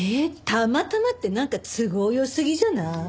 たまたまってなんか都合良すぎじゃない？